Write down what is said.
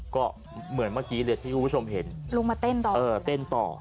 ก็เหมือนเมื่อกี้เลยที่คุณผู้ชมเห็นลุงมาเต้นต่อเออเต้นต่อ